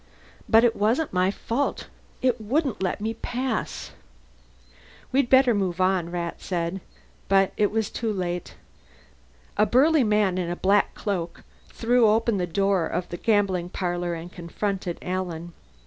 "But it wasn't my fault. It wouldn't let me pass." "We'd better move on," Rat said. But it was too late. A burly man in a black cloak threw open the door of the gambling parlor and confronted Alan.